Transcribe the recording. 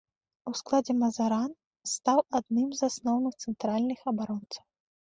У складзе мазыран стаў адным з асноўных цэнтральных абаронцаў.